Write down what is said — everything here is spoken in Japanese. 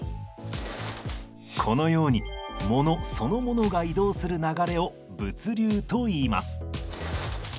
このようにものそのものが移動する流れを物流といいます。